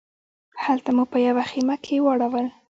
هلته مو په یوه خیمه کې واړول.